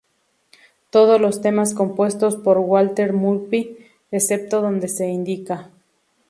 Todos los temas compuestos por Walter Murphy, excepto donde se indica.